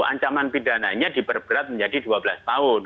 ancaman pidananya diperberat menjadi dua belas tahun